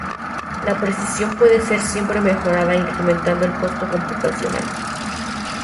La precisión puede siempre ser mejorada incrementando el costo computacional.